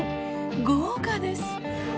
豪華です！